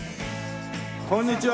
こんにちは。